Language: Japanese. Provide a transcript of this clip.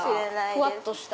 ふわっとした。